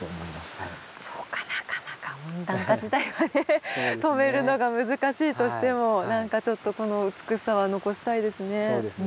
そうかなかなか温暖化自体はね止めるのが難しいとしてもなんかちょっとこの美しさは残したいですね。